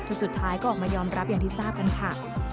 สุดท้ายก็ออกมายอมรับอย่างที่ทราบกันค่ะ